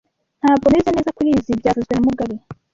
Ntabwo meze neza kurizoi byavuzwe na mugabe